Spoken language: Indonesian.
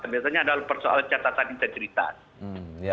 biasanya adalah persoalan catatan integritas